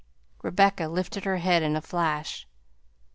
Rebecca lifted her head in a flash.